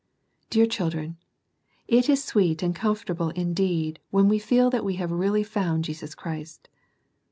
Dear children, it is sweet and comfortable indeed when we feel that we have really found Jesus Christ.